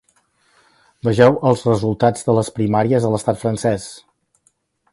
Vegeu els resultats de les primàries a l’estat francès.